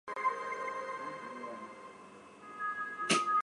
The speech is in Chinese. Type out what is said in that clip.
克吕斯旁沙提永人口变化图示